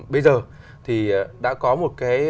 bây giờ thì đã có một cái